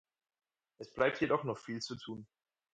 Es bleibt jedoch noch viel zu tun.